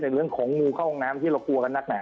แต่เรื่องของงูเข้าห้องน้ำที่เรากลัวกันนักหนา